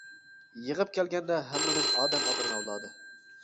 يىغىپ كەلگەندە ھەممىمىز ئادەم ئاتىنىڭ ئەۋلادى!